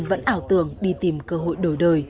vẫn ảo tưởng đi tìm cơ hội đổi đời